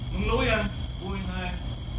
มึงรู้ยังผู้หญิงใคร